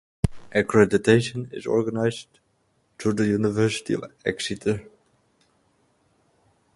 Accreditation is organised through the University of Exeter.